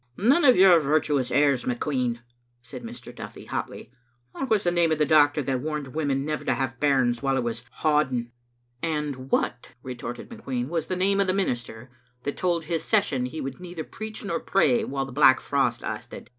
"None of your virtuous airs, McQueen," said Mr. Duthie, hotly. " What was the name of the doctor that warned women never to have bairns while it was hand ing?" Digitized by VjOOQ IC 106 (Tbe Kittle Aintotcr. *'And what," retorted McQueen, "was the name of the minister that told his session he would neither preach nor pray while the black frost lasted?"